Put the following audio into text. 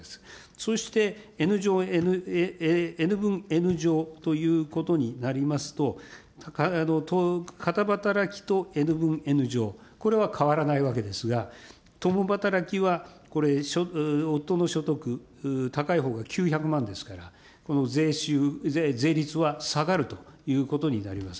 そしてＮ分Ｎ乗ということになりますと、片働きとＮ分Ｎ乗、これは変わらないわけですが、共働きはこれ、夫の所得、高いほうが９００万ですから、この税収、税率は下がるということになります。